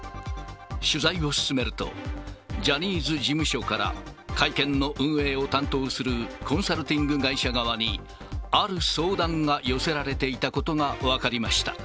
取材を進めると、ジャニーズ事務所から会見の運営を担当するコンサルティング会社側に、ある相談が寄せられていたことが分かりました。